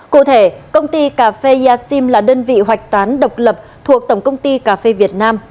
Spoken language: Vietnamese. cụ thể công ty cà phê yaxin là đơn vị hoạch toán độc lập thuộc tổng công ty cà phê việt nam